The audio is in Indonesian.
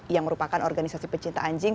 yang merupakan organisasi pecinta anjing